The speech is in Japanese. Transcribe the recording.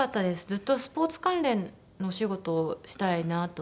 ずっとスポーツ関連のお仕事をしたいなと思っていて。